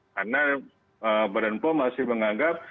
karena badan pom masih menganggap